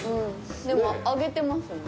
でも揚げてますね。